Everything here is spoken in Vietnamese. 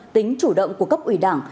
tính chủ động của cấp ủy đảng